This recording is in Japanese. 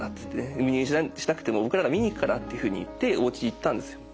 入院しなくても僕らが見に行くから」っていうふうに言っておうち行ったんですよ。